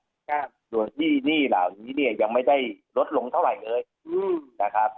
ครับส่วนที่หนี้เหล่านี้เนี่ยยังไม่ได้ลดลงเท่าไหร่เลยอืมนะครับ